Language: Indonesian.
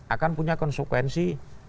akan punya konsekuensi